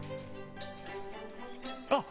あっ！